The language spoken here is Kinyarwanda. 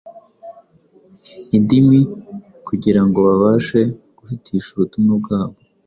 indimi kugira ngo babashe guhitisha ubutumwa bwabo”.